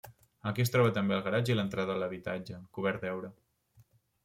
Aquí es troba també el garatge i l'entrada a l'habitatge, cobert d'heura.